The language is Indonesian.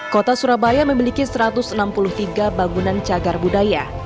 kota surabaya memiliki satu ratus enam puluh tiga bangunan cagar budaya